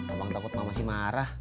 abang takut mama sih marah